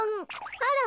あら。